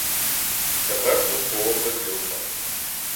Тепер тут було безлюдно.